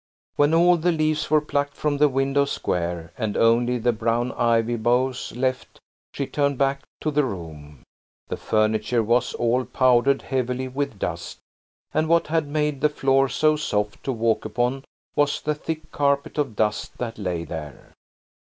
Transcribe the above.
When all the leaves were plucked from the window's square, and only the brown ivy boughs left, she turned back to the room. The furniture was all powdered heavily with dust, and what had made the floor so soft to walk upon was the thick carpet of dust that lay there.